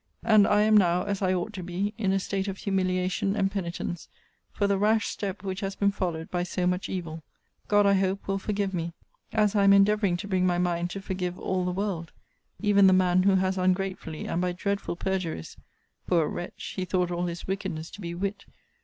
And I am now, as I ought to be, in a state of humiliation and penitence for the rash step which has been followed by so much evil. God, I hope, will forgive me, as I am endeavouring to bring my mind to forgive all the world, even the man who has ungratefully, and by dreadful perjuries, [poor wretch! he thought all his wickedness to be wit!